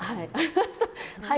はい。